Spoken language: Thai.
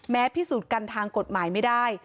พิสูจน์กันทางกฎหมายไม่ได้